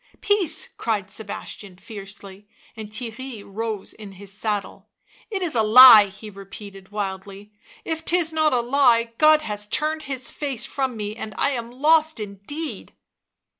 peace!" cried Sebastian fiercely, and Theirry rose in his saddle. " It is a lie !" he repeated wildly. 11 If 'tis not a lie God has turned His face from me, and I am lost indeed!"